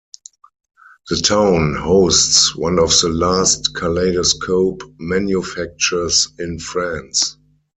The town hosts one of the last kaleidoscope manufacturers in France.